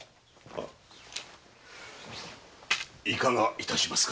いかがいたしますか？